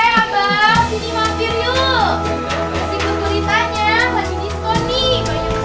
sini mampir yuk